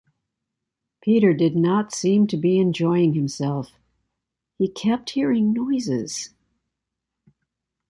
Peter did not seem to be enjoying himself; he kept hearing noises.